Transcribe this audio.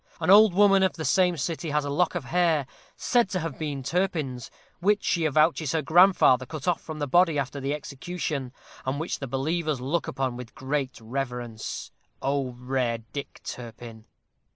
An old woman of the same city has a lock of hair, said to have been Turpin's, which she avouches her grandfather cut off from the body after the execution, and which the believers look upon with great reverence. O rare Dick Turpin!